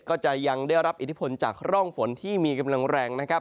ก็จะยังได้รับอิทธิพลจากร่องฝนที่มีกำลังแรงนะครับ